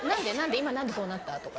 今何でそうなった？」とか。